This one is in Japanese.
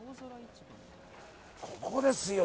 ここですよ！